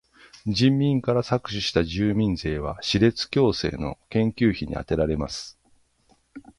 人民から搾取した住民税は歯列矯正の研究費にあてられます。